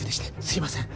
すみません。